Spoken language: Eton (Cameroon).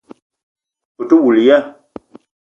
Ou te woul ya?